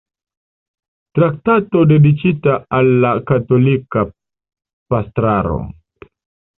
Traktato dediĉita al la katolika pastraro".